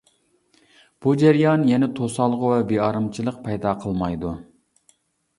بۇ جەريان يەنە توسالغۇ ۋە بىئارامچىلىق پەيدا قىلمايدۇ.